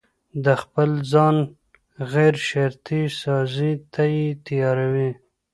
د خپل ځان غيرشرطي سازي ته يې تياروي.